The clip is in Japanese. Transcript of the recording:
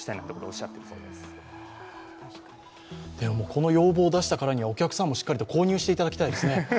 この要望を出したからには、お客さんもしっかりと購入していただきたいですね。